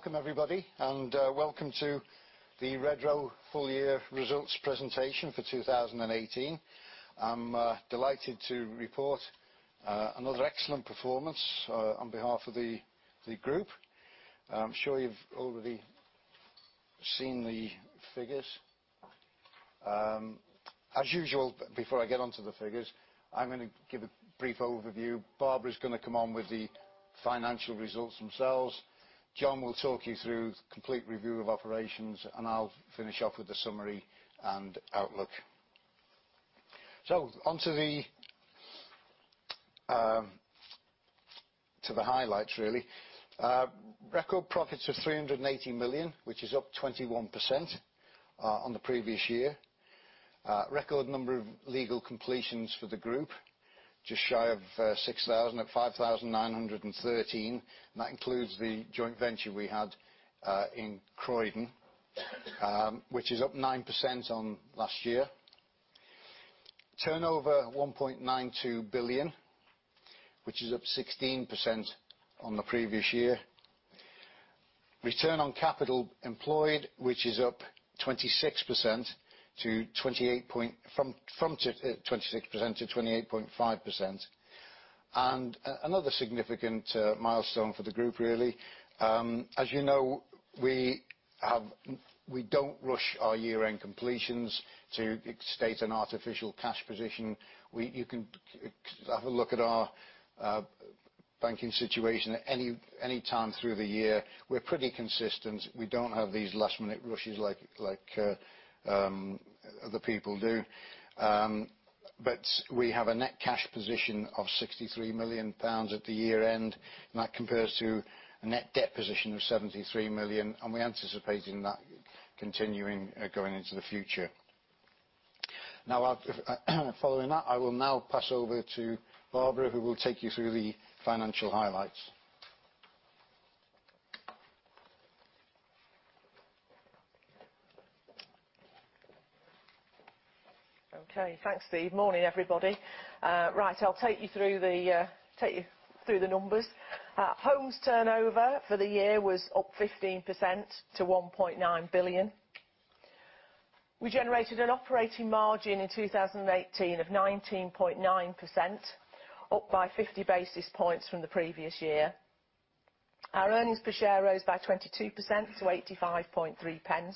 Welcome, everybody, and welcome to the Redrow Full Year Results Presentation for 2018. I'm delighted to report another excellent performance on behalf of the group. I'm sure you've already seen the figures. As usual, before I get onto the figures, I'm going to give a brief overview. Barbara's going to come on with the financial results themselves. John will talk you through the complete review of operations, and I'll finish off with the summary and outlook. Onto the highlights, really. Record profits of 380 million, which is up 21% on the previous year. Record number of legal completions for the group, just shy of 6,000 at 5,913, and that includes the joint venture we had in Croydon, which is up 9% on last year. Turnover 1.92 billion, which is up 16% on the previous year. Return on capital employed, which is up 26% to 28.5%. Another significant milestone for the group, really. As you know, we don't rush our year-end completions to state an artificial cash position. You can have a look at our banking situation at any time through the year. We're pretty consistent. We don't have these last-minute rushes like other people do. We have a net cash position of 63 million pounds at the year-end, and that compares to a net debt position of 73 million, and we're anticipating that continuing going into the future. Now, following that, I will now pass over to Barbara, who will take you through the financial highlights. Okay. Thanks, Steve. Morning, everybody. Right, I'll take you through the numbers. Homes turnover for the year was up 15% to 1.9 billion. We generated an operating margin in 2018 of 19.9%, up by 50 basis points from the previous year. Our earnings per share rose by 22% to 0.853.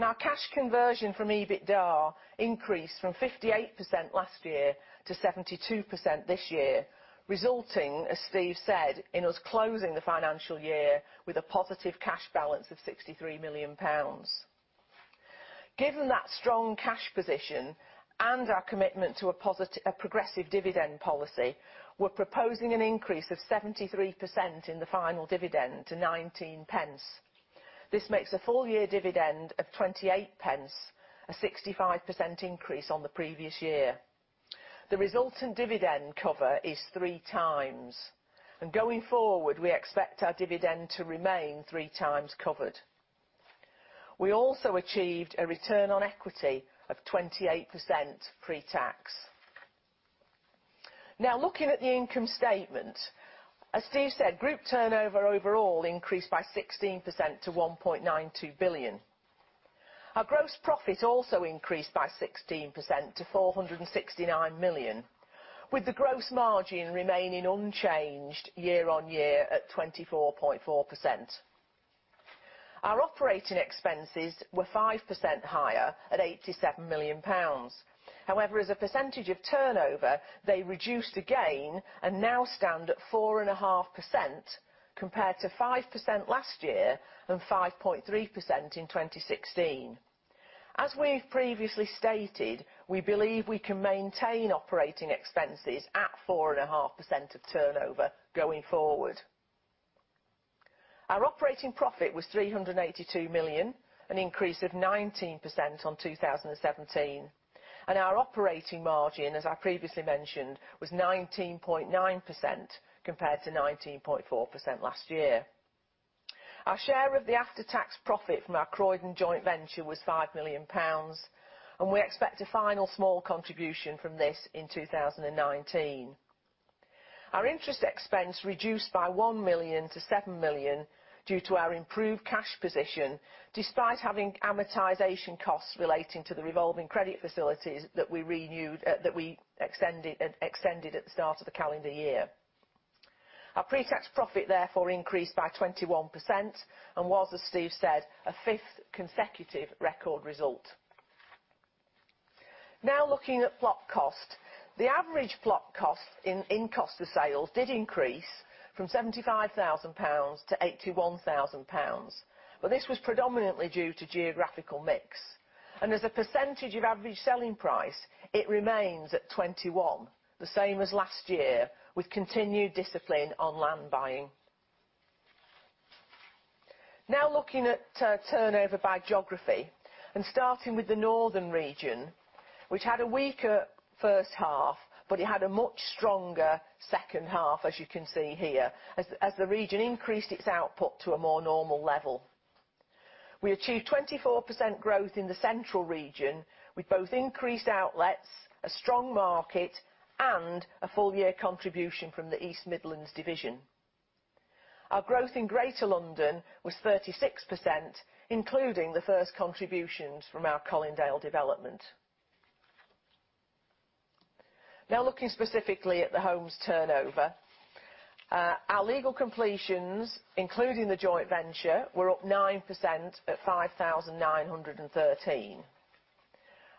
Our cash conversion from EBITDA increased from 58% last year to 72% this year, resulting, as Steve said, in us closing the financial year with a positive cash balance of 63 million pounds. Given that strong cash position and our commitment to a progressive dividend policy, we're proposing an increase of 73% in the final dividend to 0.19. This makes a full year dividend of 0.28, a 65% increase on the previous year. The resultant dividend cover is 3 times, and going forward, we expect our dividend to remain 3 times covered. We also achieved a return on equity of 28% pre-tax. Now looking at the income statement. As Steve said, group turnover overall increased by 16% to 1.92 billion. Our gross profit also increased by 16% to 469 million, with the gross margin remaining unchanged year on year at 24.4%. Our operating expenses were 5% higher at 87 million pounds. However, as a percentage of turnover, they reduced again and now stand at 4.5% compared to 5% last year and 5.3% in 2016. As we've previously stated, we believe we can maintain operating expenses at 4.5% of turnover going forward. Our operating profit was 382 million, an increase of 19% on 2017. Our operating margin, as I previously mentioned, was 19.9% compared to 19.4% last year. Our share of the after-tax profit from our Croydon joint venture was 5 million pounds, and we expect a final small contribution from this in 2019. Our interest expense reduced by 1 million to 7 million due to our improved cash position, despite having amortization costs relating to the revolving credit facilities that we extended at the start of the calendar year. Our pre-tax profit therefore increased by 21% and was, as Steve said, a fifth consecutive record result. Looking at plot cost. The average plot cost in cost of sales did increase from 75,000 pounds to 81,000 pounds. This was predominantly due to geographical mix. As a percentage of average selling price, it remains at 21%, the same as last year, with continued discipline on land buying. Looking at turnover by geography, and starting with the Northern region, which had a weaker first half, but it had a much stronger second half, as you can see here, as the region increased its output to a more normal level. We achieved 24% growth in the Central region, with both increased outlets, a strong market, and a full year contribution from the East Midlands division. Our growth in Greater London was 36%, including the first contributions from our Colindale development. Looking specifically at the homes turnover. Our legal completions, including the joint venture, were up 9% at 5,913.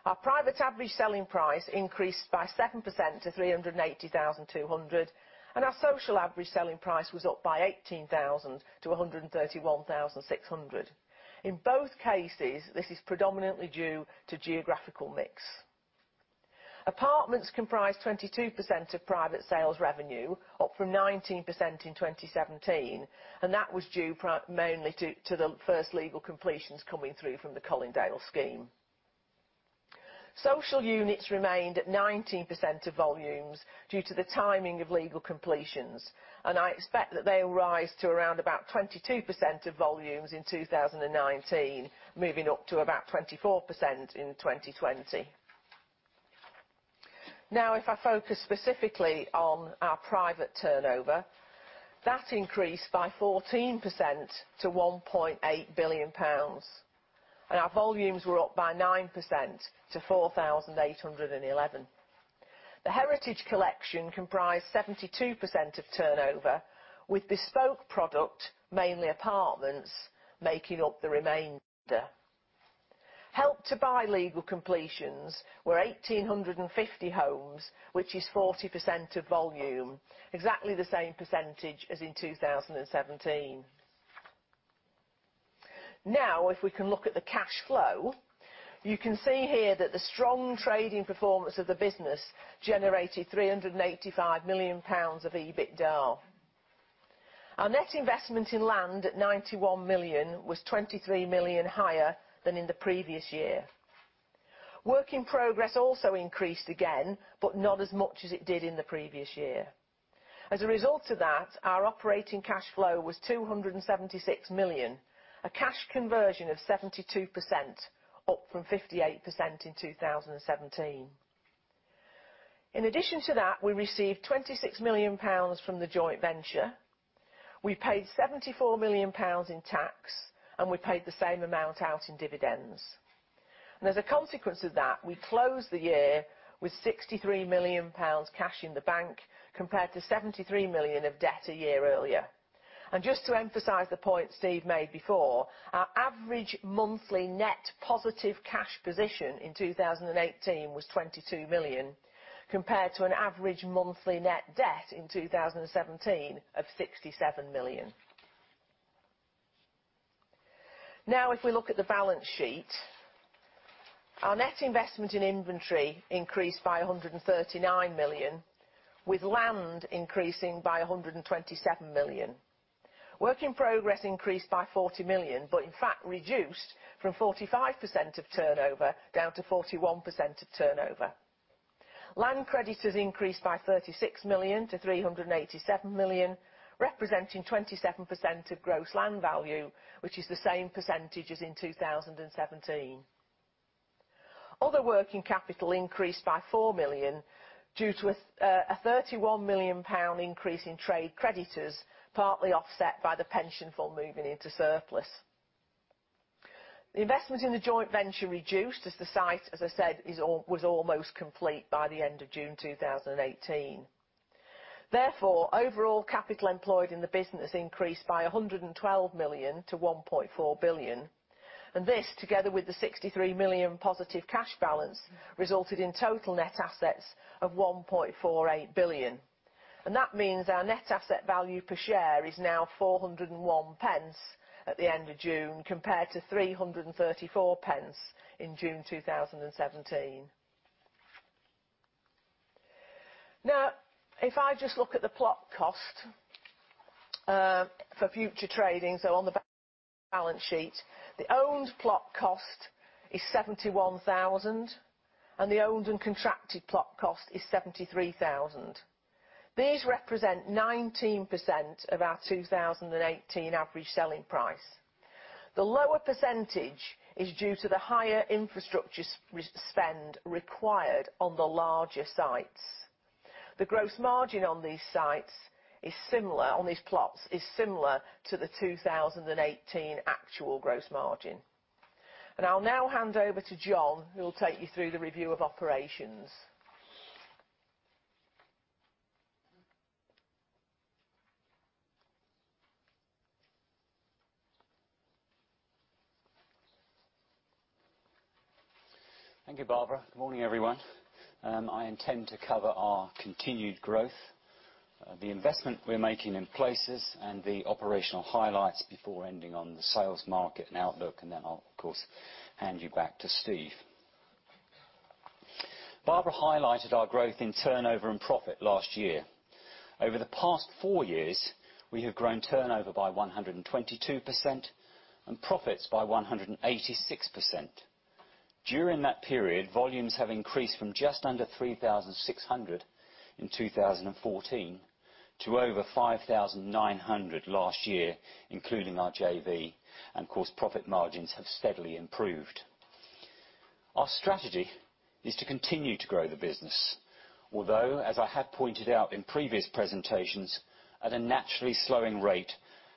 Our private average selling price increased by 7% to 380,200, and our social average selling price was up by 18,000 to 131,600. In both cases, this is predominantly due to geographical mix. Apartments comprise 22% of private sales revenue, up from 19% in 2017, and that was due mainly to the first legal completions coming through from the Colindale scheme. Social units remained at 19% of volumes due to the timing of legal completions, and I expect that they will rise to around about 22% of volumes in 2019, moving up to about 24% in 2020. If I focus specifically on our private turnover, that increased by 14% to 1.8 billion pounds. Our volumes were up by 9% to 4,811. The Heritage Collection comprised 72% of turnover, with bespoke product, mainly apartments, making up the remainder. Help to Buy legal completions were 1,850 homes, which is 40% of volume, exactly the same percentage as in 2017. If we can look at the cash flow, you can see here that the strong trading performance of the business generated 385 million pounds of EBITDA. Our net investment in land at 91 million was 23 million higher than in the previous year. Work in progress also increased again, not as much as it did in the previous year. As a result of that, our operating cash flow was 276 million, a cash conversion of 72%, up from 58% in 2017. In addition to that, we received 26 million pounds from the joint venture. We paid 74 million pounds in tax, and we paid the same amount out in dividends. As a consequence of that, we closed the year with 63 million pounds cash in the bank, compared to 73 million of debt a year earlier. Just to emphasize the point Steve made before, our average monthly net positive cash position in 2018 was 22 million, compared to an average monthly net debt in 2017 of 67 million. If we look at the balance sheet, our net investment in inventory increased by 139 million, with land increasing by 127 million. Work in progress increased by 40 million, in fact reduced from 45% of turnover down to 41% of turnover. Land credits increased by 36 million to 387 million, representing 27% of gross land value, which is the same % as in 2017. Other working capital increased by 4 million due to a 31 million pound increase in trade creditors, partly offset by the pension fund moving into surplus. The investment in the joint venture reduced as the site, as I said, was almost complete by the end of June 2018. Overall capital employed in the business increased by 112 million to 1.4 billion, and this together with the 63 million positive cash balance, resulted in total net assets of 1.48 billion. That means our net asset value per share is now 4.01 at the end of June, compared to 3.34 in June 2017. If I just look at the plot cost for future trading, so on the balance sheet. The owned plot cost is 71,000, and the owned and contracted plot cost is 73,000. These represent 19% of our 2018 average selling price. The lower % is due to the higher infrastructure spend required on the larger sites. The gross margin on these plots is similar to the 2018 actual gross margin. I'll now hand over to John, who will take you through the review of operations. Thank you, Barbara. Morning, everyone. I intend to cover our continued growth, the investment we're making in places, and the operational highlights before ending on the sales market and outlook, and then I'll of course, hand you back to Steve. Barbara highlighted our growth in turnover and profit last year. Over the past four years, we have grown turnover by 122% and profits by 186%. During that period, volumes have increased from just under 3,600 in 2014 to over 5,900 last year, including our JV, and of course, profit margins have steadily improved. Our strategy is to continue to grow the business, although, as I have pointed out in previous presentations, at a naturally slowing rate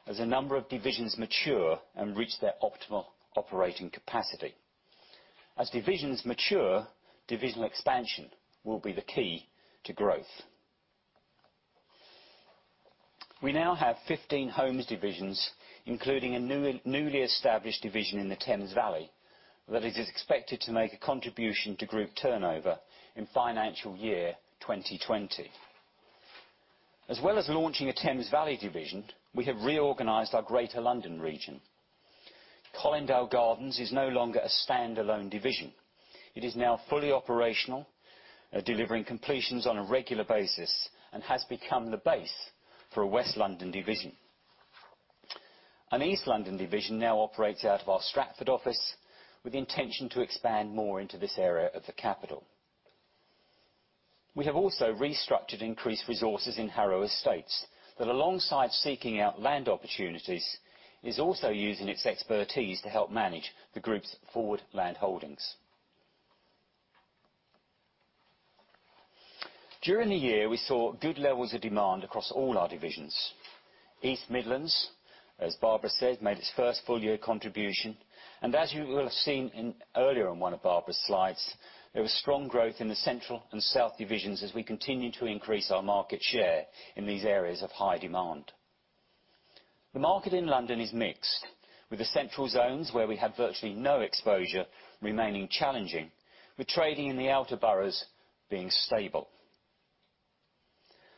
as a number of divisions mature and reach their optimal operating capacity. As divisions mature, divisional expansion will be the key to growth. We now have 15 homes divisions, including a newly established division in the Thames Valley that is expected to make a contribution to group turnover in financial year 2020. As well as launching a Thames Valley division, we have reorganized our Greater London region. Colindale Gardens is no longer a standalone division. It is now fully operational, delivering completions on a regular basis, and has become the base for a West London division. An East London division now operates out of our Stratford office with the intention to expand more into this area of the capital. We have also restructured increased resources in Harrow Estates that, alongside seeking out land opportunities, is also using its expertise to help manage the group's forward land holdings. During the year, we saw good levels of demand across all our divisions. East Midlands, as Barbara said, made its first full year contribution, and as you will have seen earlier in one of Barbara's slides, there was strong growth in the central and south divisions as we continue to increase our market share in these areas of high demand. The market in London is mixed, with the central zones where we have virtually no exposure remaining challenging, with trading in the outer boroughs being stable.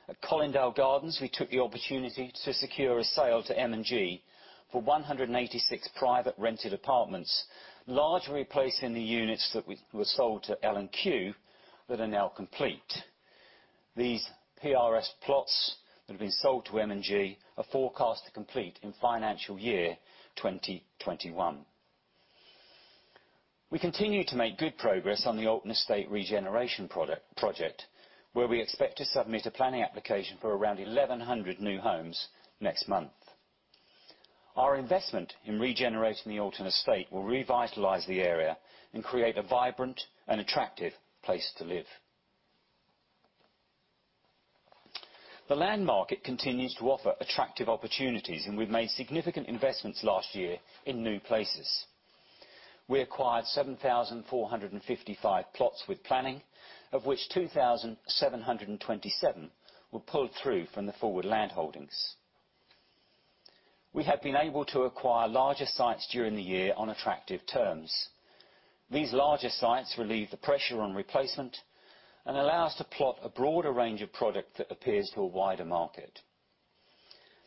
At Colindale Gardens, we took the opportunity to secure a sale to M&G for 186 private rented apartments, largely replacing the units that were sold to L&Q that are now complete. These PRS plots that have been sold to M&G are forecast to complete in financial year 2021. We continue to make good progress on the Alton Estate regeneration project, where we expect to submit a planning application for around 1,100 new homes next month. Our investment in regenerating the Alton Estate will revitalize the area and create a vibrant and attractive place to live. The land market continues to offer attractive opportunities, and we've made significant investments last year in new places. We acquired 7,455 plots with planning, of which 2,727 were pulled through from the forward land holdings. We have been able to acquire larger sites during the year on attractive terms. These larger sites relieve the pressure on replacement and allow us to plot a broader range of product that appeals to a wider market.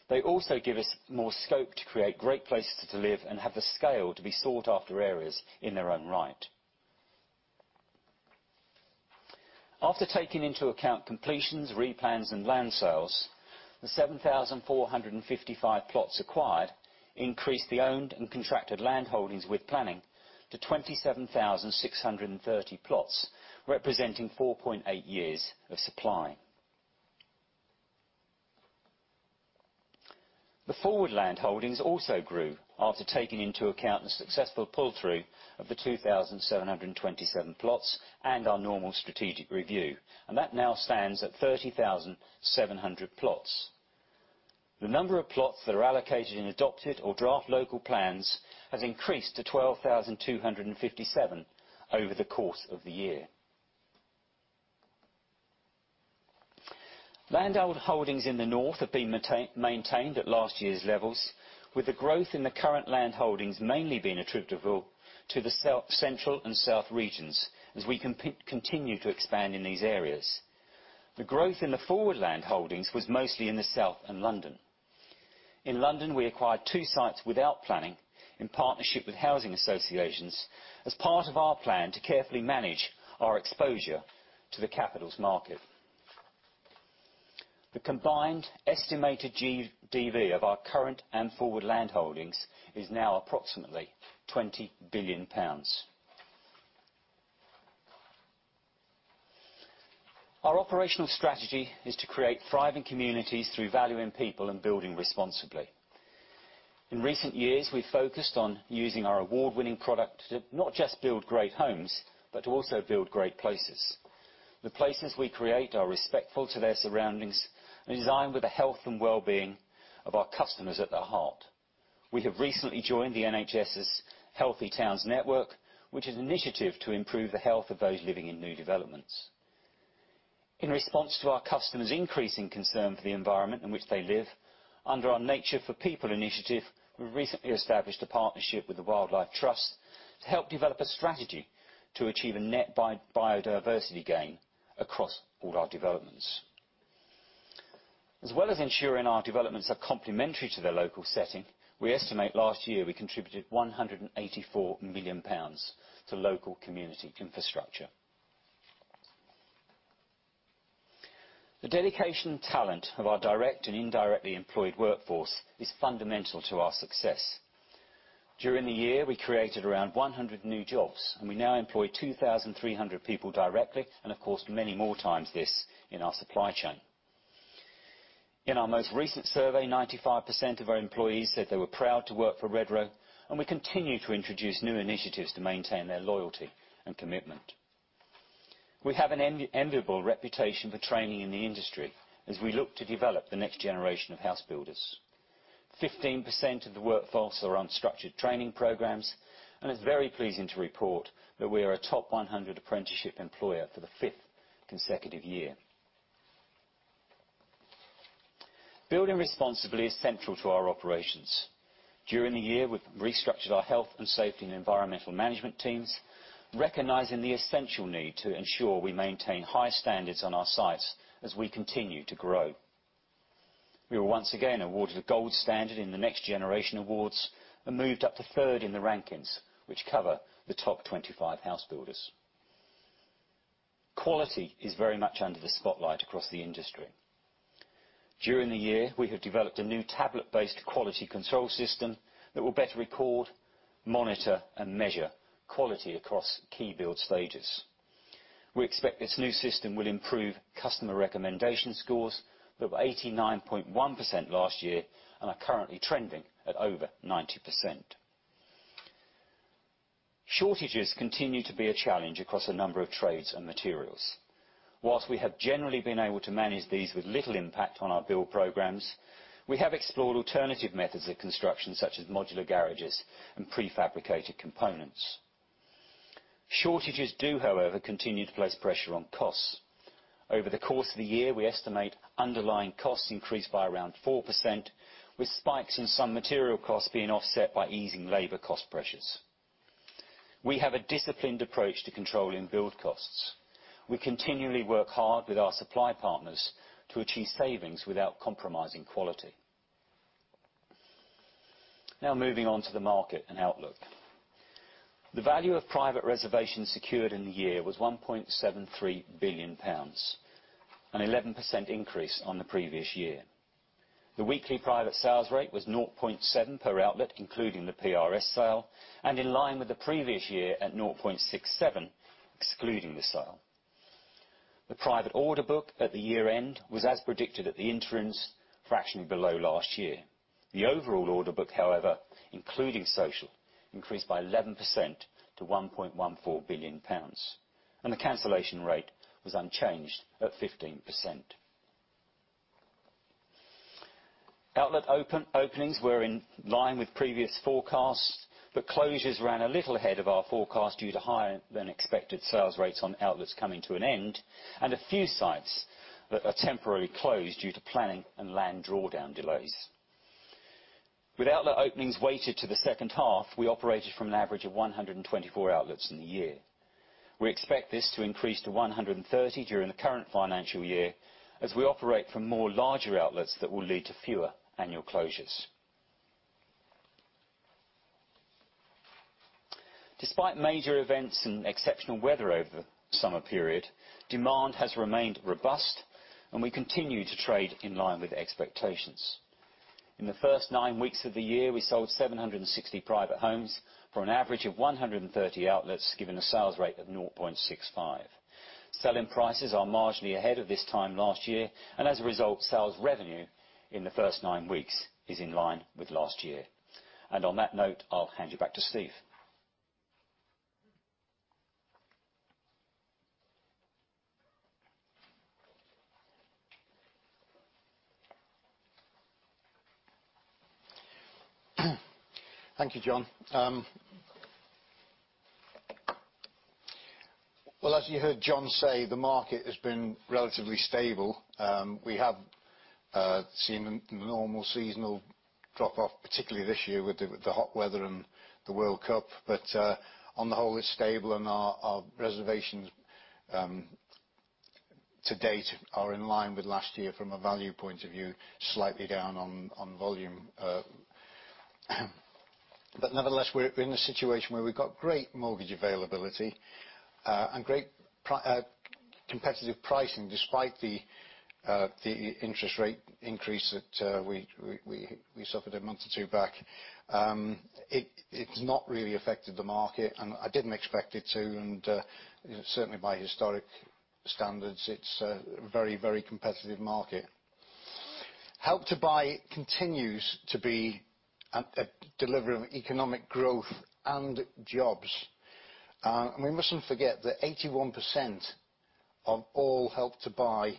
They also give us more scope to create great places to live and have the scale to be sought after areas in their own right. After taking into account completions, replans, and land sales, the 7,455 plots acquired increased the owned and contracted land holdings with planning to 27,630 plots, representing 4.8 years of supply. The forward land holdings also grew after taking into account the successful pull-through of the 2,727 plots and our normal strategic review, and that now stands at 30,700 plots. The number of plots that are allocated in adopted or draft local plans has increased to 12,257 over the course of the year. Land holdings in the north have been maintained at last year's levels, with the growth in the current land holdings mainly being attributable to the central and south regions, as we continue to expand in these areas. The growth in the forward land holdings was mostly in the south and London. In London, we acquired two sites without planning in partnership with housing associations as part of our plan to carefully manage our exposure to the capital's market. The combined estimated GDV of our current and forward land holdings is now approximately 20 billion pounds. Our operational strategy is to create thriving communities through value in people and building responsibly. In recent years, we've focused on using our award-winning product to not just build great homes, but to also build great places. The places we create are respectful to their surroundings and designed with the health and well-being of our customers at the heart. We have recently joined the NHS's Healthy Towns Network, which is an initiative to improve the health of those living in new developments. In response to our customers' increasing concern for the environment in which they live, under our Nature for People initiative, we recently established a partnership with The Wildlife Trusts to help develop a strategy to achieve a net biodiversity gain across all our developments. As well as ensuring our developments are complementary to their local setting, we estimate last year we contributed 184 million pounds to local community infrastructure. The dedication and talent of our direct and indirectly employed workforce is fundamental to our success. During the year, we created around 100 new jobs, and we now employ 2,300 people directly, and of course, many more times this in our supply chain. In our most recent survey, 95% of our employees said they were proud to work for Redrow, and we continue to introduce new initiatives to maintain their loyalty and commitment. We have an enviable reputation for training in the industry, as we look to develop the next generation of house builders. 15% of the workforce are on structured training programs, and it's very pleasing to report that we are a top 100 apprenticeship employer for the fifth consecutive year. Building responsibly is central to our operations. During the year, we've restructured our health and safety and environmental management teams, recognizing the essential need to ensure we maintain high standards on our sites as we continue to grow. We were once again awarded a gold standard in the NextGeneration Awards, and moved up to third in the rankings, which cover the top 25 house builders. Quality is very much under the spotlight across the industry. During the year, we have developed a new tablet-based quality control system that will better record, monitor, and measure quality across key build stages. We expect this new system will improve customer recommendation scores that were 89.1% last year and are currently trending at over 90%. Shortages continue to be a challenge across a number of trades and materials. Whilst we have generally been able to manage these with little impact on our build programs, we have explored alternative methods of construction, such as modular garages and prefabricated components. Shortages do, however, continue to place pressure on costs. Over the course of the year, we estimate underlying costs increased by around 4%, with spikes in some material costs being offset by easing labor cost pressures. We have a disciplined approach to controlling build costs. We continually work hard with our supply partners to achieve savings without compromising quality. Moving on to the market and outlook. The value of private reservations secured in the year was 1.73 billion pounds, an 11% increase on the previous year. The weekly private sales rate was 0.7 per outlet, including the PRS sale, and in line with the previous year at 0.67, excluding the sale. The private order book at the year-end was as predicted at the interims fraction below last year. The overall order book, however, including social, increased by 11% to 1.14 billion pounds. The cancellation rate was unchanged at 15%. Outlet openings were in line with previous forecasts, but closures ran a little ahead of our forecast due to higher than expected sales rates on outlets coming to an end, and a few sites that are temporarily closed due to planning and land drawdown delays. With outlet openings weighted to the second half, we operated from an average of 124 outlets in the year. We expect this to increase to 130 during the current financial year, as we operate from more larger outlets that will lead to fewer annual closures. Despite major events and exceptional weather over the summer period, demand has remained robust and we continue to trade in line with expectations. In the first nine weeks of the year, we sold 760 private homes for an average of 130 outlets, giving a sales rate of 0.65. Selling prices are marginally ahead of this time last year, as a result, sales revenue in the first nine weeks is in line with last year. On that note, I'll hand you back to Steve. Thank you, John. Well, as you heard John say, the market has been relatively stable. We have seen a normal seasonal drop off, particularly this year with the hot weather and the World Cup. On the whole, it's stable and our reservations to date are in line with last year from a value point of view, slightly down on volume. Nevertheless, we're in a situation where we've got great mortgage availability and great competitive pricing, despite the interest rate increase that we suffered a month or two back. It's not really affected the market, and I didn't expect it to. Certainly by historic standards, it's a very competitive market. Help to Buy continues to be a delivery of economic growth and jobs. We mustn't forget that 81% of all Help to Buy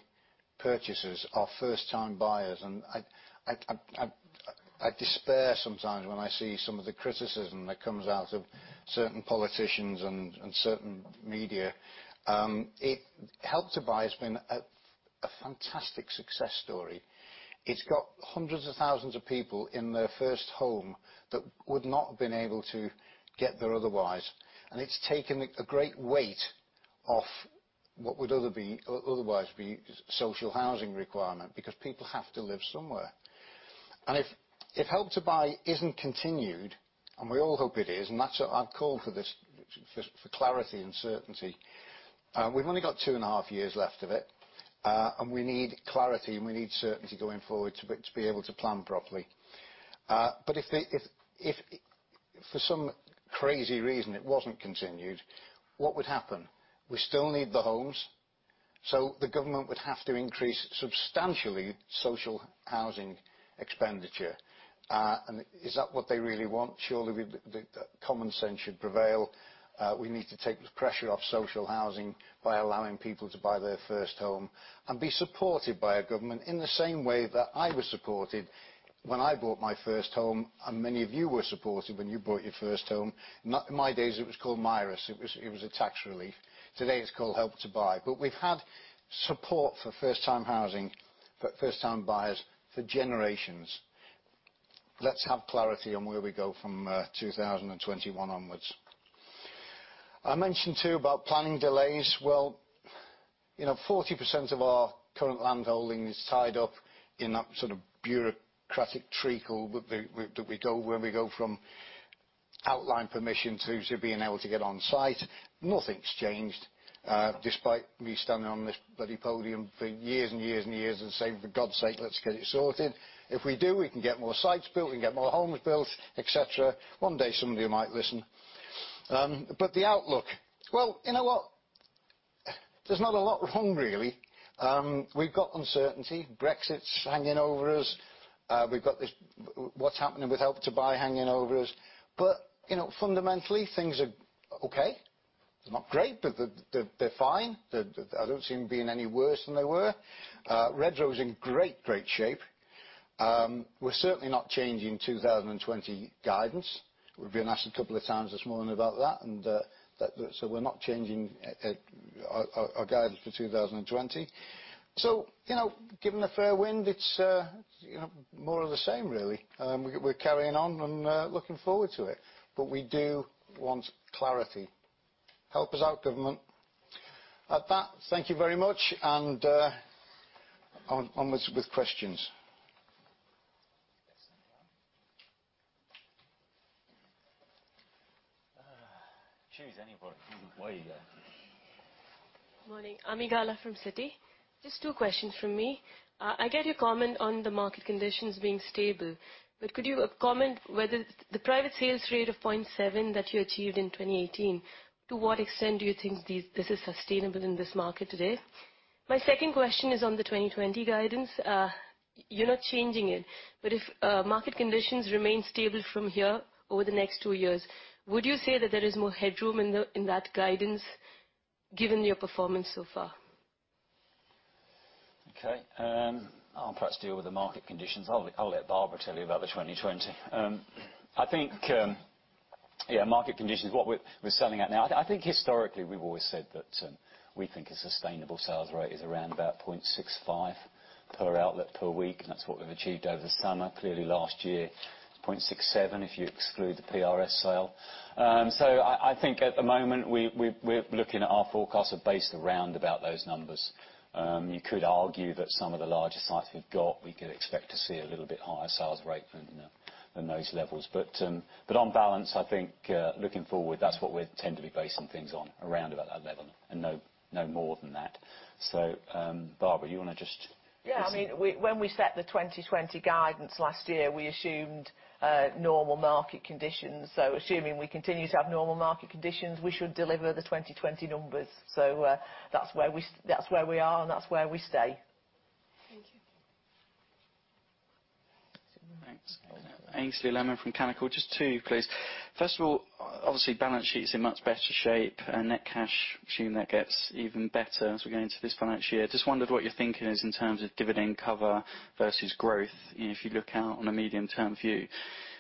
purchasers are first time buyers. I despair sometimes when I see some of the criticism that comes out of certain politicians and certain media. Help to Buy has been a fantastic success story. It's got hundreds of thousands of people in their first home that would not have been able to get there otherwise. It's taken a great weight off what would otherwise be social housing requirement, because people have to live somewhere. If Help to Buy isn't continued, and we all hope it is, and that's I'd call for this for clarity and certainty. We've only got two and a half years left of it, and we need clarity, and we need certainty going forward to be able to plan properly. If for some crazy reason it wasn't continued, what would happen? We still need the homes, so the government would have to increase substantially social housing expenditure. Is that what they really want? Surely, common sense should prevail. We need to take the pressure off social housing by allowing people to buy their first home and be supported by a government in the same way that I was supported when I bought my first home, and many of you were supported when you bought your first home. In my days, it was called MIRAS. It was a tax relief. Today, it's called Help to Buy. We've had support for first-time housing, for first-time buyers for generations. Let's have clarity on where we go from 2021 onwards. I mentioned, too, about planning delays. Well, 40% of our current land holding is tied up in that sort of bureaucratic treacle that we go where we go from outline permission to being able to get on site. Nothing's changed, despite me standing on this bloody podium for years and years and years and saying, "For God's sake, let's get it sorted." If we do, we can get more sites built, we can get more homes built, et cetera. One day, some of you might listen. The outlook. Well, you know what? There's not a lot wrong, really. We've got uncertainty. Brexit's hanging over us. We've got what's happening with Help to Buy hanging over us. Fundamentally, things are okay. It's not great, but they're fine. I don't see them being any worse than they were. Redrow's in great shape. We're certainly not changing 2020 guidance. We've been asked a couple of times this morning about that, we're not changing our guidance for 2020. Given a fair wind, it's more of the same, really. We're carrying on and looking forward to it. We do want clarity. Help us out, government. At that, thank you very much, and onwards with questions. Choose anybody. Away you go. Morning. Ami Galla from Citi. Just two questions from me. I get your comment on the market conditions being stable. Could you comment whether the private sales rate of 0.7 that you achieved in 2018, to what extent do you think this is sustainable in this market today? My second question is on the 2020 guidance. You're not changing it, if market conditions remain stable from here over the next two years, would you say that there is more headroom in that guidance, given your performance so far? Okay. I'll perhaps deal with the market conditions. I'll let Barbara tell you about the 2020. I think market conditions, what we're selling at now. I think historically, we've always said that we think a sustainable sales rate is around about 0.65 per outlet per week, and that's what we've achieved over the summer. Clearly last year, 0.67, if you exclude the PRS sale. I think at the moment, we're looking at our forecast are based around about those numbers. You could argue that some of the larger sites we've got, we could expect to see a little bit higher sales rate than those levels. On balance, I think looking forward, that's what we tend to be basing things on, around about that level, and no more than that. Barbara, you want to just- When we set the 2020 guidance last year, we assumed normal market conditions. Assuming we continue to have normal market conditions, we should deliver the 2020 numbers. That's where we are, and that's where we stay. Thank you. Thanks. Aynsley Lammin from Canaccord. Just two, please. First of all, obviously, balance sheet's in much better shape and net cash, assuming that gets even better as we go into this financial year. Just wondered what your thinking is in terms of dividend cover versus growth. If you look out on a medium-term view,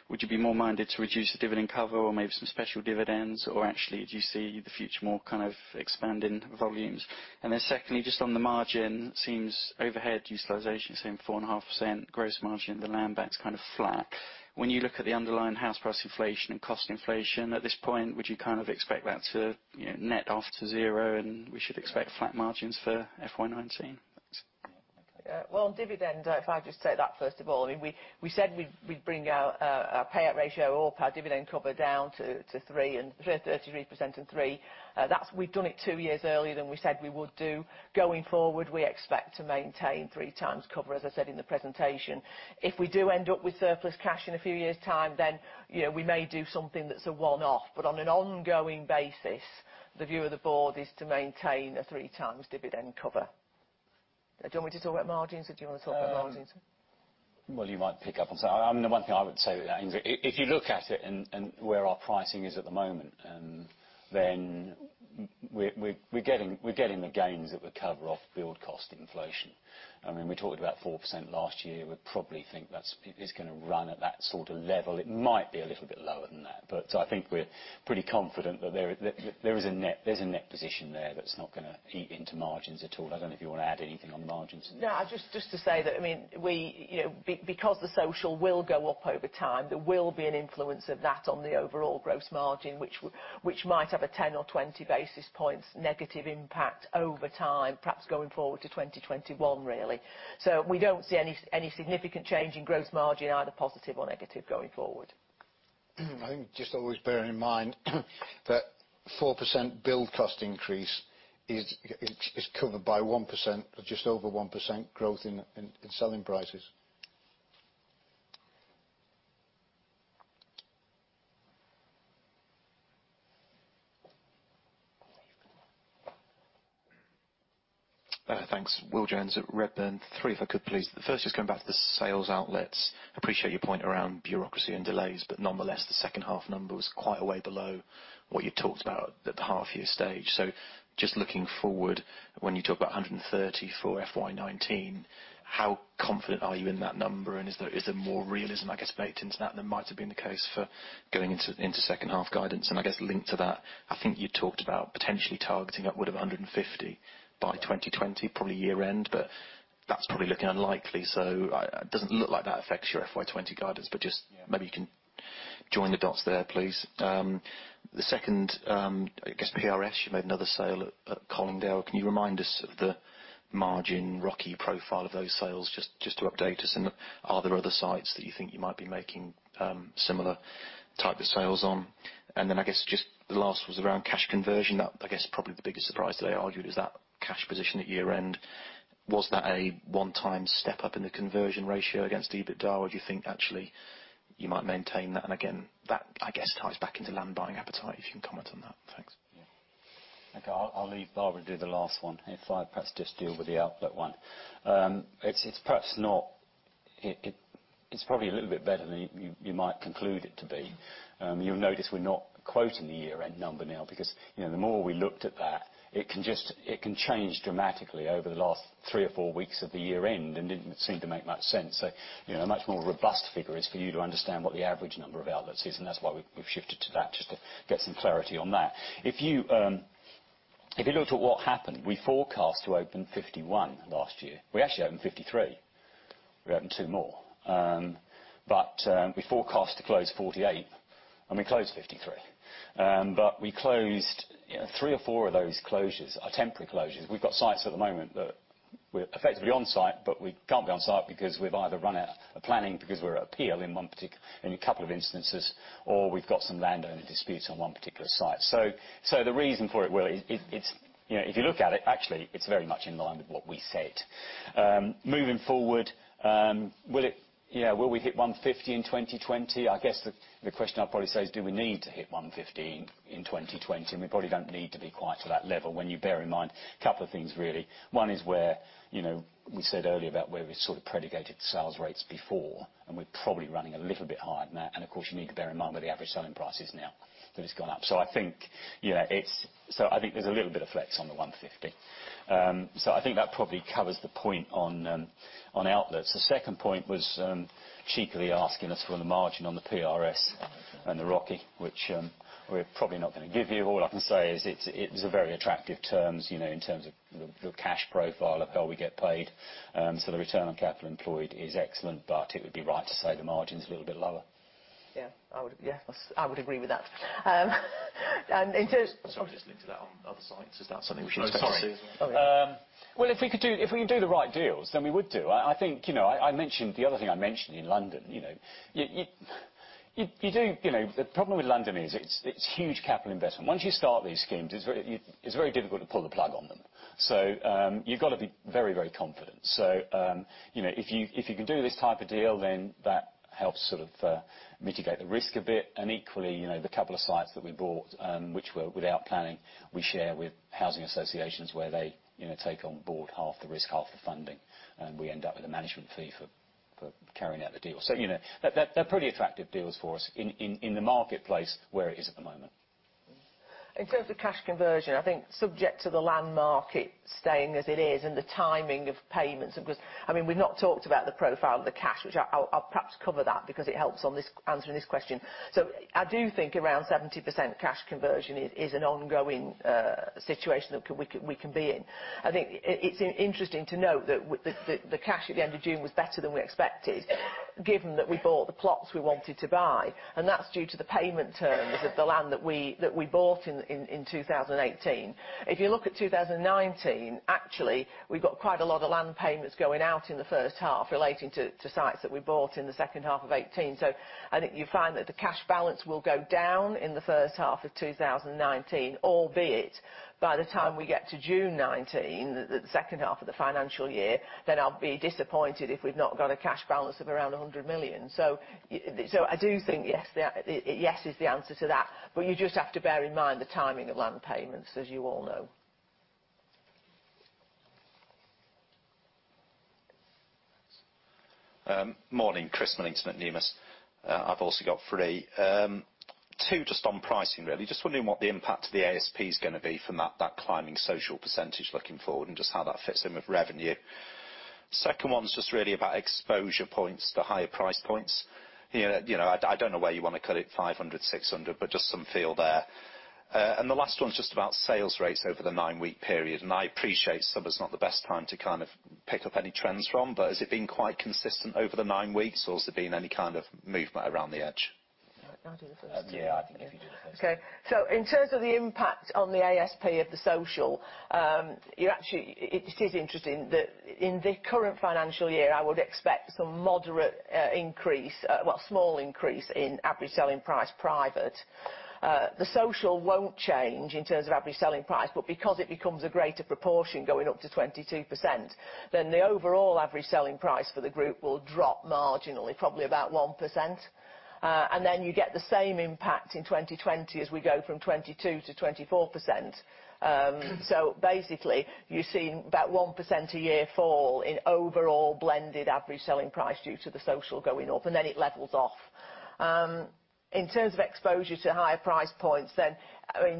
would you be more minded to reduce the dividend cover or maybe some special dividends, or actually do you see the future more kind of expanding volumes? Secondly, just on the margin, seems overhead utilization, same 4.5% gross margin, the land bank's kind of flat. When you look at the underlying house price inflation and cost inflation, at this point, would you kind of expect that to net off to zero, and we should expect flat margins for FY 2019? Thanks. Well, on dividend, if I just take that first of all, we said we'd bring our payout ratio or our dividend cover down to 33% and three. We've done it two years earlier than we said we would do. Going forward, we expect to maintain three times cover, as I said in the presentation. If we do end up with surplus cash in a few years' time, then we may do something that's a one-off. On an ongoing basis, the view of the board is to maintain a three times dividend cover. Do you want me to talk about margins, or do you want to talk about margins? Well, you might pick up on something. The one thing I would say with that, if you look at it and where our pricing is at the moment, then we're getting the gains that would cover off build cost inflation. I mean, we talked about 4% last year. We probably think that it's going to run at that sort of level. It might be a little bit lower than that. I think we're pretty confident that there's a net position there that's not going to eat into margins at all. I don't know if you want to add anything on margins. No, just to say that because the social will go up over time, there will be an influence of that on the overall gross margin, which might have a 10 or 20 basis points negative impact over time, perhaps going forward to 2021, really. We don't see any significant change in gross margin, either positive or negative going forward. I think just always bear in mind that 4% build cost increase is covered by 1%, just over 1% growth in selling prices. Thanks. Will Jones at Redburn. Three, if I could please. The first is coming back to the sales outlets. Appreciate your point around bureaucracy and delays, nonetheless, the second half number was quite a way below what you talked about at the half year stage. Just looking forward, when you talk about 130 for FY 2019, how confident are you in that number, and is there more realism, I guess, baked into that than might have been the case for going into second half guidance? I guess linked to that, I think you talked about potentially targeting upward of 150 by 2020, probably year end, that's probably looking unlikely, it doesn't look like that affects your FY 2020 guidance. Just maybe you can join the dots there please. The second, I guess PRS, you made another sale at Colindale. Can you remind us of the margin, ROCE profile of those sales, just to update us? Are there other sites that you think you might be making similar type of sales on? I guess just the last was around cash conversion. I guess probably the biggest surprise today, arguably, is that cash position at year end. Was that a one-time step up in the conversion ratio against EBITDA? Or do you think actually you might maintain that? Again, that, I guess, ties back into land buying appetite, if you can comment on that. Thanks. Okay. I'll leave Barbara to do the last one. If I perhaps just deal with the outlet one. It's probably a little bit better than you might conclude it to be. You'll notice we're not quoting the year-end number now because the more we looked at that, it can change dramatically over the last three or four weeks of the year-end, it didn't seem to make much sense. A much more robust figure is for you to understand what the average number of outlets is, and that's why we've shifted to that, just to get some clarity on that. If you looked at what happened, we forecast to open 51 last year. We actually opened 53. We opened two more. We forecast to close 48, and we closed 53. We closed three or four of those closures are temporary closures. We've got sites at the moment that we're effectively on site, we can't be on site because we've either run out of planning because we're at appeal in a couple of instances, or we've got some landowner disputes on one particular site. The reason for it, Will, if you look at it, actually, it's very much in line with what we said. Moving forward, will we hit 150 in 2020? I guess the question I'd probably say is, do we need to hit 150 in 2020? We probably don't need to be quite to that level when you bear in mind a couple of things, really. One is where we said earlier about where we sort of predicated sales rates before, and we're probably running a little bit higher than that. Of course, you need to bear in mind where the average selling price is now that it's gone up. So I think there's a little bit of flex on the 150. So I think that probably covers the point on outlets. The second point was cheekily asking us for the margin on the PRS and the ROCE, which we're probably not going to give you. All I can say is it was very attractive terms in terms of the cash profile of how we get paid. So the return on capital employed is excellent, but it would be right to say the margin's a little bit lower. Yeah. I would agree with that. Sorry, just linked to that on other sites. Is that something we should expect to see as well? If we can do the right deals, then we would do. The other thing I mentioned in London. The problem with London is it's huge capital investment. Once you start these schemes, it's very difficult to pull the plug on them. So you've got to be very, very confident. So if you can do this type of deal, then that helps sort of mitigate the risk a bit. And equally, the couple of sites that we bought, which were without planning, we share with housing associations where they take on board half the risk, half the funding, and we end up with a management fee for carrying out the deal. So they're pretty attractive deals for us in the marketplace where it is at the moment. In terms of cash conversion, I think subject to the land market staying as it is and the timing of payments, because we've not talked about the profile of the cash, which I'll perhaps cover that because it helps on answering this question. I do think around 70% cash conversion is an ongoing situation that we can be in. I think it's interesting to note that the cash at the end of June was better than we expected, given that we bought the plots we wanted to buy, and that's due to the payment terms of the land that we bought in 2018. If you look at 2019, actually, we've got quite a lot of land payments going out in the first half relating to sites that we bought in the second half of 2018. I think you find that the cash balance will go down in the first half of 2019, albeit by the time we get to June 2019, the second half of the financial year, then I'll be disappointed if we've not got a cash balance of around 100 million. I do think yes is the answer to that, but you just have to bear in mind the timing of land payments, as you all know. Morning, Chris Millington at Numis. I've also got three. Two just on pricing, really. Just wondering what the impact of the ASP is going to be from that climbing social percentage looking forward and just how that fits in with revenue. Second one is just really about exposure points to higher price points. I don't know where you want to cut it, 500, 600, but just some feel there. The last one is just about sales rates over the nine-week period. I appreciate summer's not the best time to kind of pick up any trends from, but has it been quite consistent over the nine weeks, or has there been any kind of movement around the edge? I can do the first Yeah, I think if you do the. Okay. In terms of the impact on the ASP of the social, it is interesting that in the current financial year, I would expect some moderate increase, well, a small increase in average selling price private. The social won't change in terms of average selling price, but because it becomes a greater proportion going up to 22%, the overall average selling price for the group will drop marginally, probably about 1%. You get the same impact in 2020 as we go from 22%-24%. Basically, you're seeing about 1% a year fall in overall blended average selling price due to the social going up, and then it levels off. In terms of exposure to higher price points,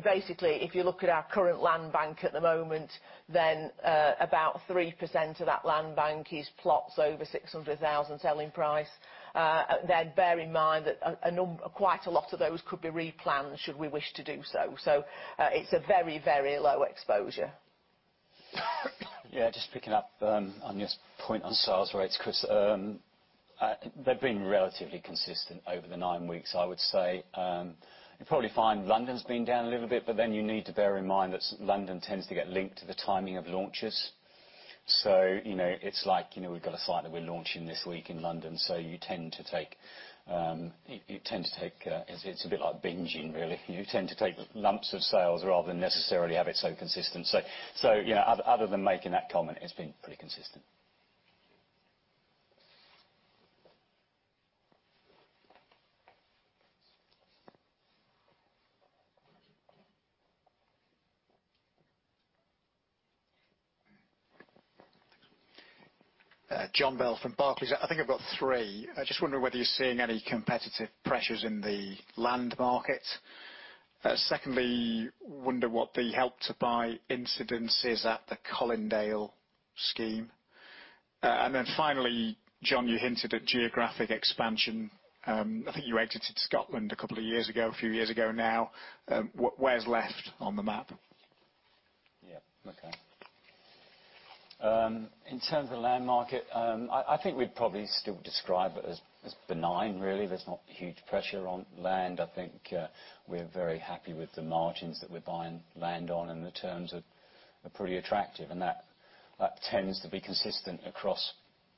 basically, if you look at our current land bank at the moment, about 3% of that land bank is plots over 600,000 selling price. Bear in mind that quite a lot of those could be replanned should we wish to do so. It's a very low exposure. Yeah, just picking up on your point on sales rates, because they've been relatively consistent over the nine weeks, I would say. You'll probably find London's been down a little bit, you need to bear in mind that London tends to get linked to the timing of launches. It's like we've got a site that we're launching this week in London, it's a bit like binging, really. You tend to take lumps of sales rather than necessarily have it so consistent. Other than making that comment, it's been pretty consistent. Thank you. Jon Bell from Barclays. I think I've got three. I just wonder whether you're seeing any competitive pressures in the land market. Secondly, wonder what the Help to Buy incidence is at the Colindale scheme. Finally, John, you hinted at geographic expansion. I think you exited Scotland a couple of years ago, a few years ago now. Where's left on the map? Yeah. Okay. In terms of the land market, I think we'd probably still describe it as benign, really. There's not huge pressure on land. I think we're very happy with the margins that we're buying land on, and the terms are pretty attractive. That tends to be consistent across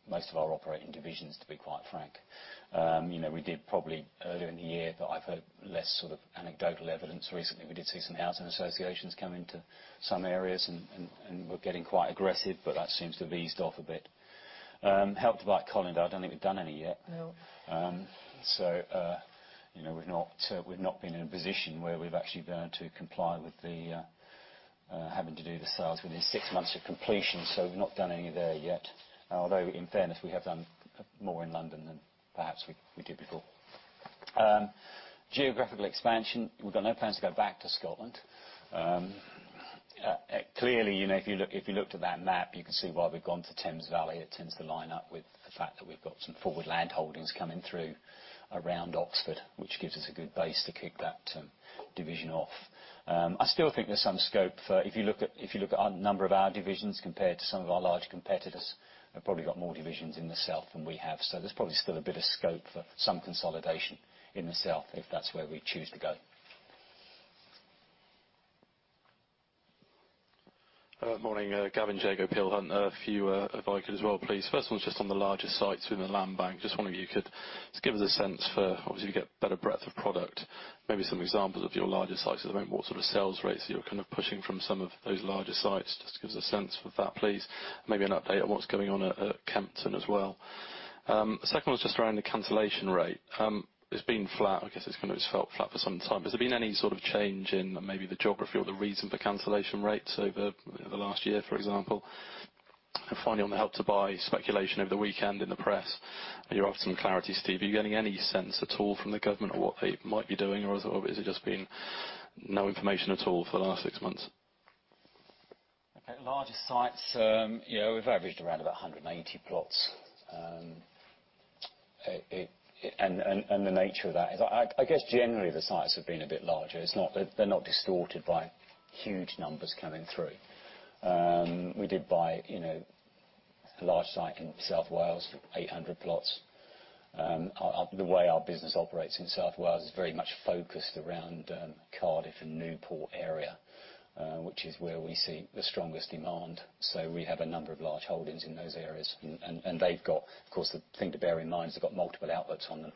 most of our operating divisions, to be quite frank. We did probably earlier in the year, but I've heard less sort of anecdotal evidence recently. We did see some housing associations come into some areas, and were getting quite aggressive, but that seems to have eased off a bit. Help to Buy at Colindale, I don't think we've done any yet. No. We've not been in a position where we've actually been able to comply with the having to do the sales within six months of completion, so we've not done any there yet. Although, in fairness, we have done more in London than perhaps we did before. Geographical expansion, we've got no plans to go back to Scotland. Clearly, if you looked at that map, you can see why we've gone to Thames Valley. It tends to line up with the fact that we've got some forward land holdings coming through around Oxford, which gives us a good base to kick that division off. I still think there's some scope for, if you look at the number of our divisions compared to some of our larger competitors, they've probably got more divisions in the south than we have. There's probably still a bit of scope for some consolidation in the south, if that's where we choose to go. Morning. Gavin Jago, Peel Hunt. A few if I could as well, please. First one's just on the larger sites within the land bank. Just wondering if you could just give us a sense for, obviously, you get better breadth of product. Maybe some examples of your larger sites at the moment, what sort of sales rates you're kind of pushing from some of those larger sites. Just to give us a sense for that, please. Maybe an update on what's going on at Kempton as well. Second one's just around the cancellation rate. It's been flat. I guess it's kind of just felt flat for some time. Has there been any sort of change in maybe the geography or the reason for cancellation rates over the last year, for example? Finally, on the Help to Buy speculation over the weekend in the press, you offered some clarity, Steve. Are you getting any sense at all from the government on what they might be doing, or has it just been no information at all for the last six months? Okay. Larger sites, we've averaged around about 180 plots. The nature of that is, I guess, generally the sites have been a bit larger. They're not distorted by huge numbers coming through. We did buy a large site in South Wales for 800 plots. The way our business operates in South Wales is very much focused around Cardiff and Newport area, which is where we see the strongest demand. We have a number of large holdings in those areas. They've got, of course, the thing to bear in mind is they've got multiple outputs on them.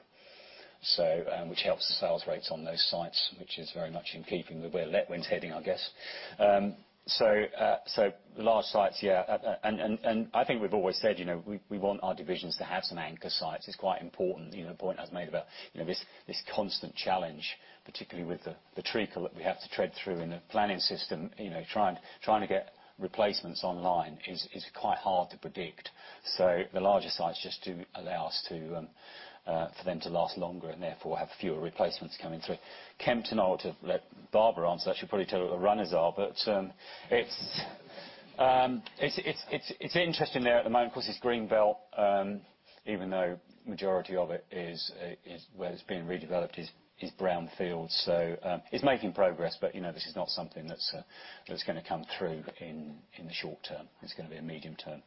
Which helps the sales rates on those sites, which is very much in keeping with where Letwin's heading, I guess. The large sites, yeah. I think we've always said we want our divisions to have some anchor sites. It's quite important. A point I've made about this constant challenge, particularly with the treacle that we have to tread through in the planning system. Trying to get replacements online is quite hard to predict. The larger sites just do allow us for them to last longer, and therefore have fewer replacements coming through. Kempton, I ought to let Barbara answer that. She'll probably tell you what the runners are. It's interesting there at the moment, because it's green belt, even though majority of it where it's being redeveloped is brown field. It's making progress, but this is not something that's going to come through in the short term. It's going to be a medium-term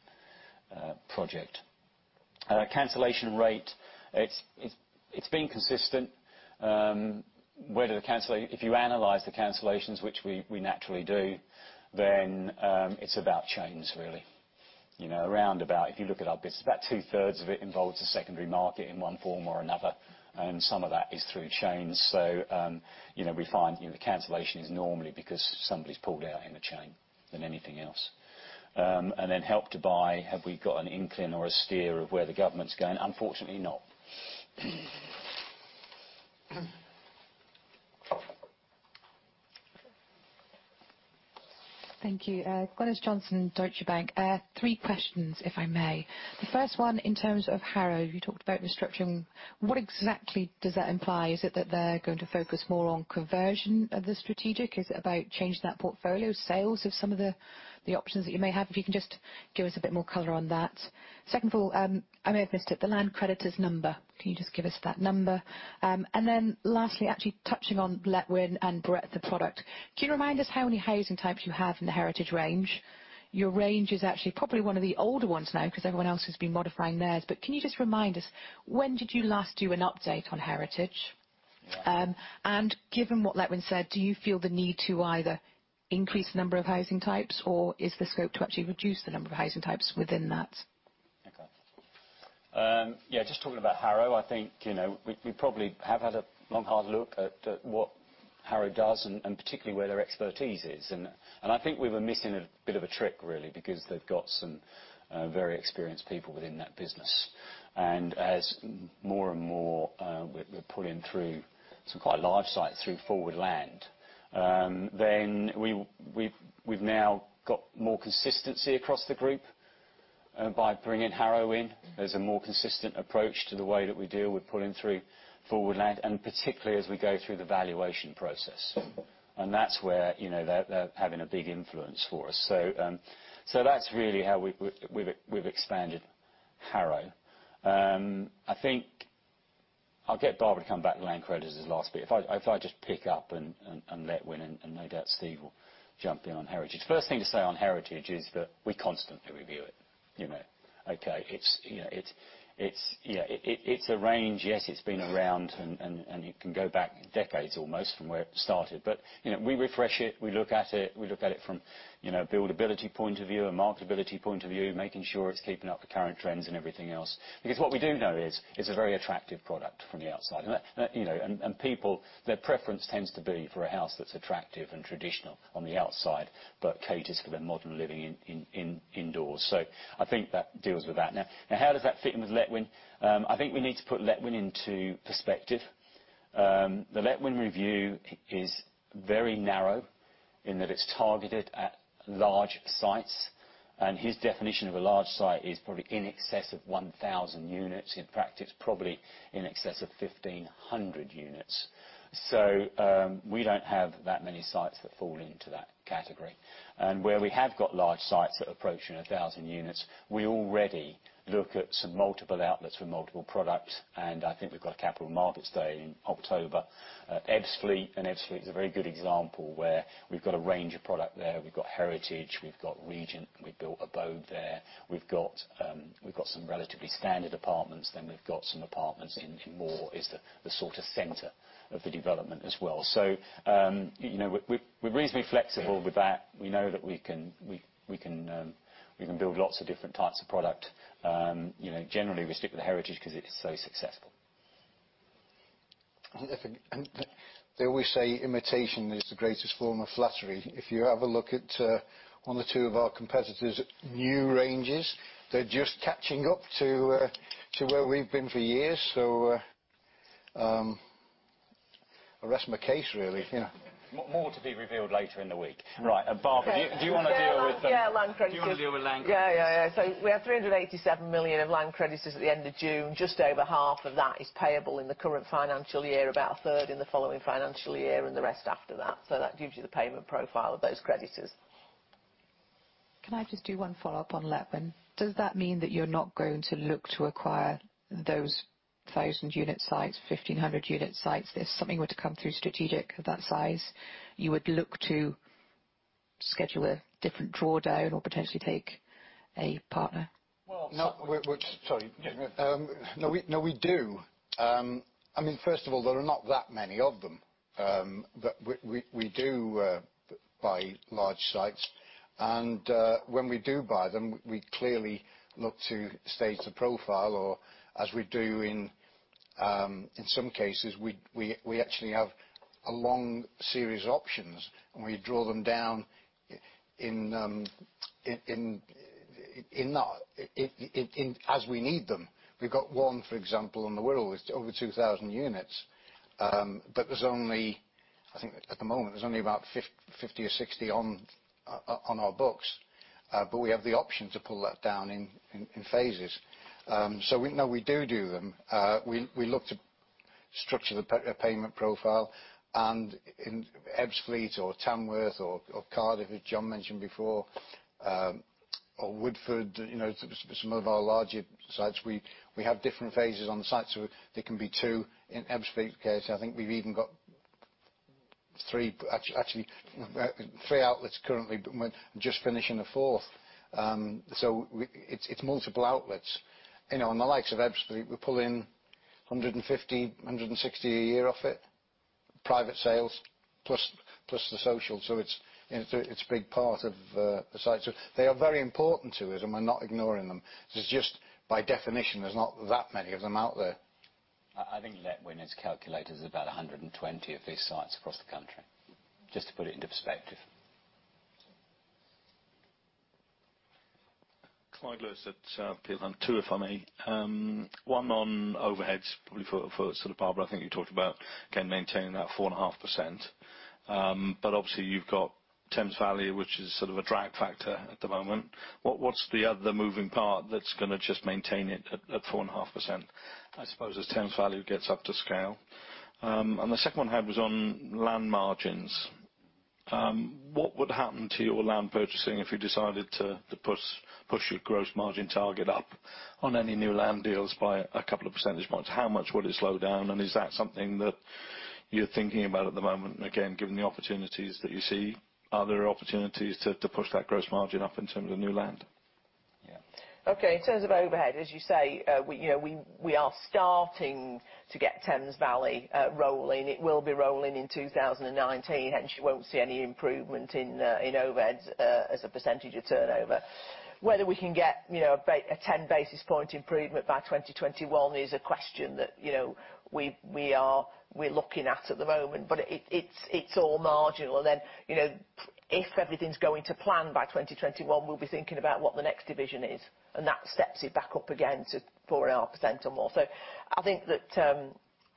project. Cancellation rate. It's been consistent. If you analyze the cancellations, which we naturally do, then it's about chains, really. Around about, if you look at our business, about two-thirds of it involves the secondary market in one form or another, and some of that is through chains. We find the cancellation is normally because somebody's pulled out in the chain than anything else. Help to Buy, have we got an inkling or a steer of where the government's going? Unfortunately not. Thank you. Gwyneth Johnson, Deutsche Bank. Three questions, if I may. The first one in terms of Harrow. You talked about restructuring. What exactly does that imply? Is it that they're going to focus more on conversion of the strategic? Is it about changing that portfolio, sales of some of the options that you may have? If you can just give us a bit more color on that. Second of all, I may have missed it, the land creditors number. Can you just give us that number? Lastly, actually touching on Letwin and breadth of product. Can you remind us how many housing types you have in the Heritage range? Your range is actually probably one of the older ones now, because everyone else has been modifying theirs. Can you just remind us, when did you last do an update on Heritage? Yeah. Given what Letwin said, do you feel the need to either increase the number of housing types, or is there scope to actually reduce the number of housing types within that? Okay. Yeah, just talking about Harrow, I think we probably have had a long, hard look at what Harrow does and particularly where their expertise is. I think we were missing a bit of a trick, really, because they've got some very experienced people within that business. As more and more we're pulling through some quite large site through forward land, then we've now got more consistency across the group by bringing Harrow in. There's a more consistent approach to the way that we deal with pulling through forward land, and particularly as we go through the valuation process. That's where they're having a big influence for us. That's really how we've expanded Harrow. I think I'll get Barbara to come back to land creditors last, but if I just pick up and Letwin, and no doubt Steve will jump in on Heritage. First thing to say on Heritage is that we constantly review it. Okay. It's a range. Yes, it's been around, and it can go back decades almost from where it started. We refresh it, we look at it. We look at it from buildability point of view and marketability point of view, making sure it's keeping up with current trends and everything else. Because what we do know is it's a very attractive product from the outside. People, their preference tends to be for a house that's attractive and traditional on the outside, but caters for their modern living indoors. I think that deals with that. Now, how does that fit in with Letwin? I think we need to put Letwin into perspective. The Letwin review is very narrow in that it's targeted at large sites, and his definition of a large site is probably in excess of 1,000 units. In practice, probably in excess of 1,500 units. We don't have that many sites that fall into that category. Where we have got large sites that are approaching 1,000 units, we already look at some multiple outlets for multiple products, and I think we've got a capital markets day in October. Ebbsfleet, and Ebbsfleet is a very good example where we've got a range of product there. We've got Heritage, we've got Regent, we built Abode there. We've got some relatively standard apartments, we've got some apartments in more is the sort of center of the development as well. We're reasonably flexible with that. We know that we can build lots of different types of product. Generally, we stick with the Heritage because it's so successful. They always say imitation is the greatest form of flattery. If you have a look at one or two of our competitors' new ranges, they're just catching up to where we've been for years. I rest my case, really. More to be revealed later in the week. Right. Barbara, do you want to deal with- Yeah. Land creditors Do you want to deal with land creditors? Yeah. We had 387 million of land creditors at the end of June. Just over half of that is payable in the current financial year, about a third in the following financial year, and the rest after that. That gives you the payment profile of those creditors. Can I just do one follow-up on Letwin? Does that mean that you're not going to look to acquire those 1,000-unit sites, 1,500-unit sites? If something were to come through strategic of that size, you would look to schedule a different drawdown or potentially take a partner? Well, no. Sorry. No, we do. First of all, there are not that many of them, but we do buy large sites. When we do buy them, we clearly look to stage the profile, or as we do in some cases, we actually have a long series of options, and we draw them down as we need them. We've got one, for example, in the Wirral, with over 2,000 units. There's only, I think at the moment, there's only about 50 or 60 on our books. We have the option to pull that down in phases. No, we do them. We look to structure the payment profile. In Ebbsfleet or Tamworth or Cardiff, as John mentioned before, or Woodford, some of our larger sites, we have different phases on the sites where there can be two. In Ebbsfleet's case, I think we've even got three outlets currently, but we're just finishing a fourth. It's multiple outlets. On the likes of Ebbsfleet, we pull in 150, 160 a year off it, private sales plus the social, it's a big part of the site. They are very important to us, and we're not ignoring them. It's just, by definition, there's not that many of them out there. I think Letwin has calculated there's about 120 of these sites across the country, just to put it into perspective. Clyde Lewis at Peel Hunt. Two, if I may. One on overheads, probably for Barbara, I think you talked about, again, maintaining that 4.5%. Obviously, you've got Thames Valley, which is a drag factor at the moment. What's the other moving part that's going to just maintain it at 4.5%, I suppose, as Thames Valley gets up to scale? The second one I had was on land margins. What would happen to your land purchasing if you decided to push your gross margin target up on any new land deals by a couple of percentage points? How much would it slow down, and is that something that you're thinking about at the moment? Again, given the opportunities that you see, are there opportunities to push that gross margin up in terms of new land? Yeah. Okay. In terms of overhead, as you say, we are starting to get Thames Valley rolling. It will be rolling in 2019, hence you won't see any improvement in overheads as a percentage of turnover. Whether we can get a 10-basis-point improvement by 2021 is a question that we're looking at at the moment, it's all marginal. If everything's going to plan, by 2021, we'll be thinking about what the next division is, and that steps it back up again to 4.5% or more. I think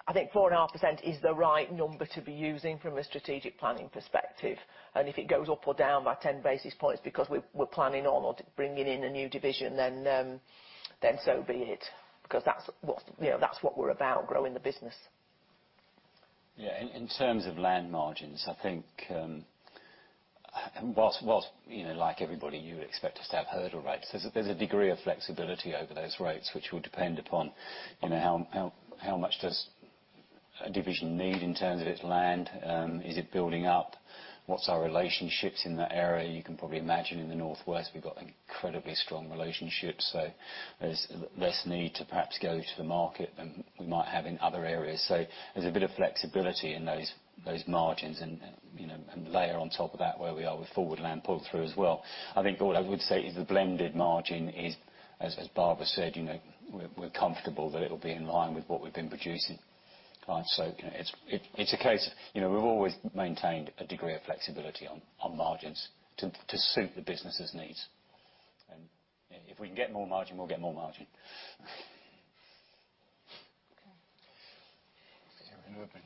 4.5% is the right number to be using from a strategic planning perspective. If it goes up or down by 10 basis points because we're planning on or bringing in a new division, then so be it because that's what we're about, growing the business. Yeah. In terms of land margins, I think whilst, like everybody, you would expect us to have hurdle rates, there's a degree of flexibility over those rates which will depend upon how much does a division need in terms of its land. Is it building up? What's our relationships in that area? You can probably imagine in the Northwest, we've got incredibly strong relationships, there's less need to perhaps go to the market than we might have in other areas. There's a bit of flexibility in those margins and layer on top of that where we are with forward land pull-through as well. I think all I would say is the blended margin is, as Barbara said, we're comfortable that it'll be in line with what we've been producing. Right. It's a case of we've always maintained a degree of flexibility on margins to suit the business's needs. If we can get more margin, we'll get more margin. Okay. Let's see.